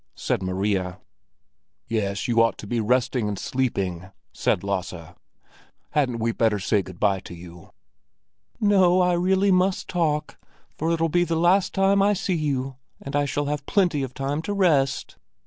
said Maria. "Yes, you ought to be resting and sleeping," said Lasse. "Hadn't we better say good bye to you?" "No, I really must talk, for it'll be the last time I see you and I shall have plenty of time to rest.